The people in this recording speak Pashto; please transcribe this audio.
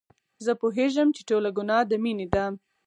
زه پوهېږم چې ټوله ګناه د مينې ده.